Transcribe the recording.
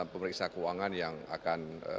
pemeriksa keuangan yang akan